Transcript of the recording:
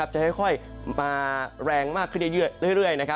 จะค่อยมาแรงมากขึ้นเรื่อย